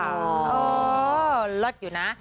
เออเลิศอยู่นะ